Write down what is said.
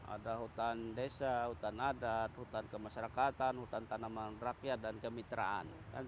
ada hutan desa hutan adat hutan kemasyarakatan hutan tanaman rakyat dan kemitraan